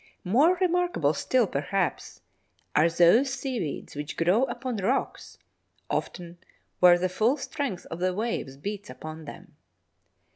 More remarkable still, perhaps, are those seaweeds which grow upon rocks, often where the full strength of the waves beats upon them.